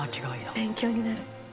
勉強になる。